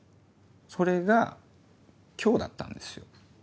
それが今日だったんですよ。